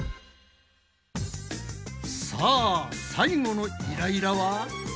さあ最後のイライラは？